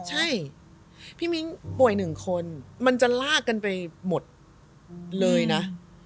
ใช่พี่มิ้งป่วยหนึ่งคนมันจะลากกันไปหมดเลยนะ